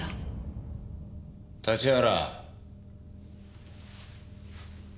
立原。